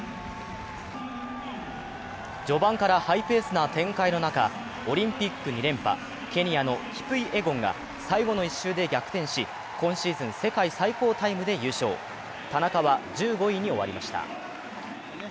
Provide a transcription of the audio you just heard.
序盤からハイペースな展開の中、オリンピック２連覇、ケニアのキプイエゴンが最後の１周で逆転し、今シーズン世界最高タイムで優勝、田中は１５位に終わりました。